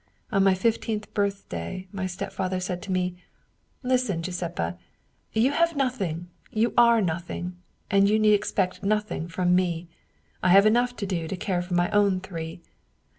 On my fifteenth birthday my stepfather said to me :' Listen, Giu seppa! You have nothing, you are nothing, and you need expect nothing from me. I have enough to do to care for my own three.